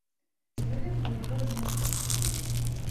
Сярод іх было двое з мястэчка.